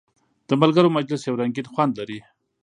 د ملګرو مجلس یو رنګین خوند لري.